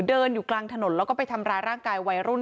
เดินอยู่กลางถนนแล้วก็ไปทำร้ายร่างกายวัยรุ่น